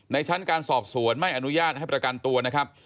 ชั้นการสอบสวนไม่อนุญาตให้ประกันตัวนะครับ